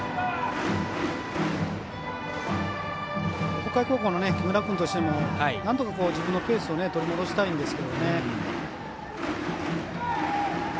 北海高校の木村君としても自分のペースを取り戻したいんですが。